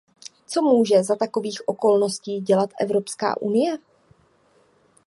Co může za takových okolností dělat Evropská unie?